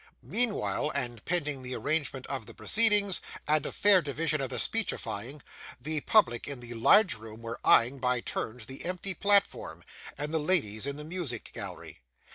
Meanwhile, and pending the arrangement of the proceedings, and a fair division of the speechifying, the public in the large room were eyeing, by turns, the empty platform, and the ladies in the Music Gallery.